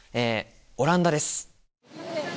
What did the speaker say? オランダです。